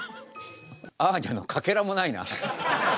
アーニャのかけらもないな。